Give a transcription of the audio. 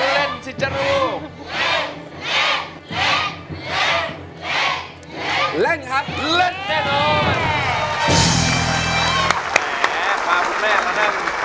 เล่นครับเล่น